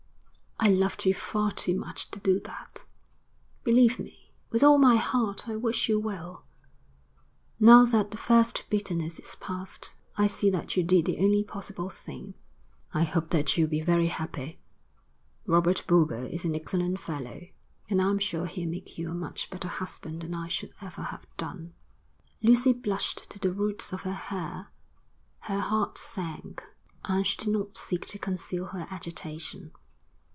'I loved you far too much to do that. Believe me, with all my heart I wish you well. Now that the first bitterness is past I see that you did the only possible thing. I hope that you'll be very happy. Robert Boulger is an excellent fellow, and I'm sure he'll make you a much better husband than I should ever have done.' Lucy blushed to the roots of her hair. Her heart sank, and she did not seek to conceal her agitation.